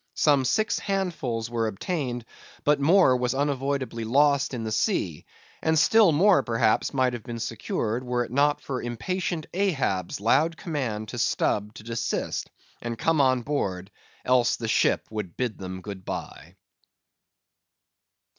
Some six handfuls were obtained; but more was unavoidably lost in the sea, and still more, perhaps, might have been secured were it not for impatient Ahab's loud command to Stubb to desist, and come on board, else the ship would bid them good bye.